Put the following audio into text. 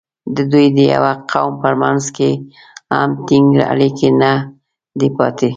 د دوی د یوه قوم په منځ کې هم ټینګ اړیکې نه دي پاتې.